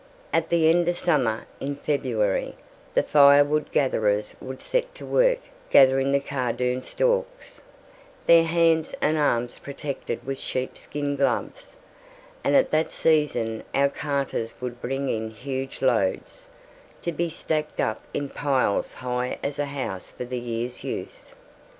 At the end of summer, in February, the firewood gatherers would set to work gathering the cardoon stalks, their hands and arms protected with sheep skin gloves, and at that season our carters would bring in huge loads, to be stacked up in piles high as a house for the year's use.